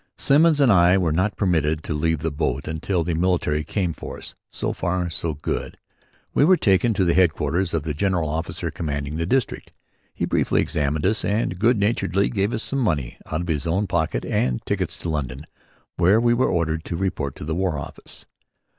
Simmons and I were not permitted to leave the boat until the military came for us. So far so good. We were taken to the headquarters of the General Officer Commanding that district. He briefly examined us and good naturedly gave us some money out of his own pocket and tickets to London, where we were ordered to report at the War Office.